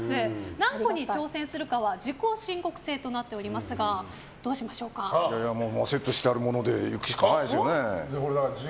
何個に挑戦するかは自己申告制となっておりますがもうセットしてあるもので行くしかないですよね。